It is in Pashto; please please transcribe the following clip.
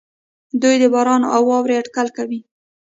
دوی د باران او واورې اټکل کوي.